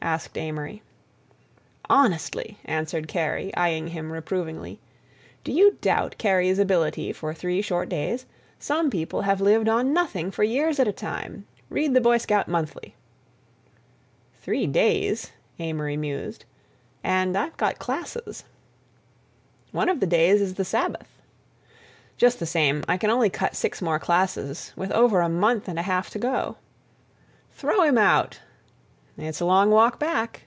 asked Amory. "Honestly," answered Kerry, eying him reprovingly, "do you doubt Kerry's ability for three short days? Some people have lived on nothing for years at a time. Read the Boy Scout Monthly." "Three days," Amory mused, "and I've got classes." "One of the days is the Sabbath." "Just the same, I can only cut six more classes, with over a month and a half to go." "Throw him out!" "It's a long walk back."